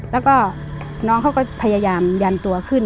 แล้วก็น้องเขาก็พยายามยันตัวขึ้น